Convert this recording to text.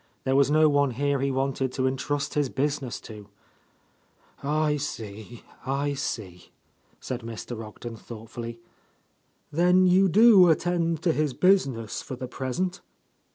There was no erne here he wanted to entrust his business to." "I see, I see," said Mr. Ogden thoughtfully. "Then you do attend to his business for the present?"